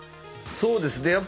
そうですね